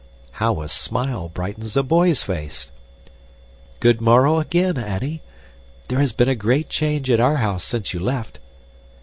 How a smile brightens a boy's face! "Good morrow, again, Annie. There has been a great change at our house since you left."